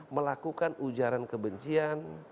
melakukan ujaran kebencian